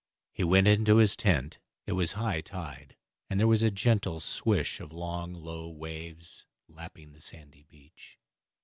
He went into his tent. It was high tide, and there was a gentle swish of long low waves lapping the sandy beach.